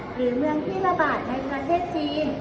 หรือเมืองที่ระบาดในประเทศจีน